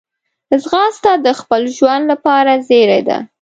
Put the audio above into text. ځغاسته د خپل ژوند لپاره زېری ده